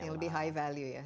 yang lebih high value ya